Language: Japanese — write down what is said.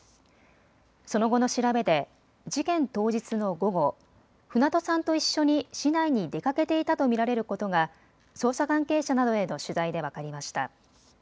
その後の調べで事件当日の午後、船戸さんと一緒に市内に出かけていたと見られることが捜査関係者などへの取材で分かりました。